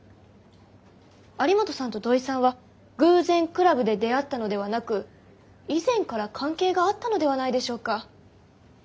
有本さんと土井さんは偶然クラブで出会ったのではなく以前から関係があったのではないでしょうか。